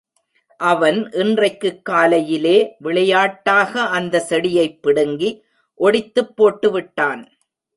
அவன் இன்றைக்குக் காலையிலே விளையாட்டாக அந்தச் செடியைப் பிடுங்கி, ஒடித்துப் போட்டுவிட்டான்.